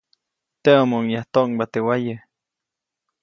Teʼomoʼuŋ yajktoʼŋba teʼ waye.